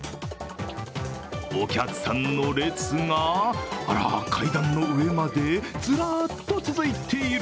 お客さんの列が、あら、階段の上までずらっと続いている。